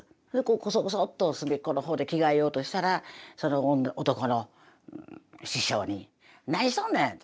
コソコソっと隅っこの方で着替えようとしたらその男の師匠に「何しとんねん。